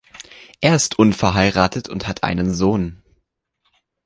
Er ist unverheiratet und hat einen Sohn.